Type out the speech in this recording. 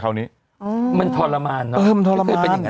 มันทรมานเนอะมันทรมาน